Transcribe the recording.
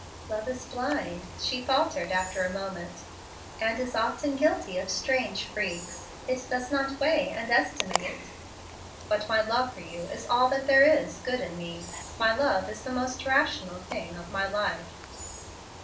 "Love is blind," she faltered after a moment, "and is often guilty of strange freaks. It does not weigh and estimate." "But my love for you is all that there is good in me. My love is the most rational thing of my life."